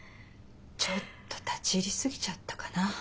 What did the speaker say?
ちょっと立ち入りすぎちゃったかな。